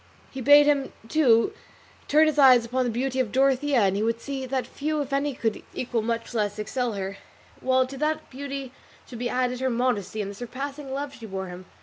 He bade him, too, turn his eyes upon the beauty of Dorothea and he would see that few if any could equal much less excel her; while to that beauty should be added her modesty and the surpassing love she bore him.